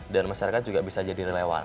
dan masyarakat juga bisa jadi relawan